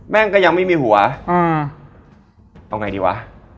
งก็ยังไม่มีหัวเอาไงดีวะ